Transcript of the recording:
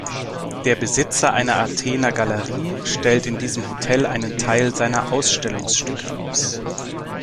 Der Besitzer einer Athener Galerie stellt in diesem Hotel einen Teil seiner Ausstellungsstücke aus.